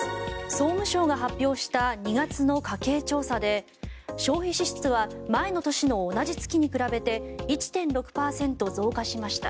総務省が発表した２月の家計調査で消費支出は前の年の同じ月に比べて１．６％増加しました。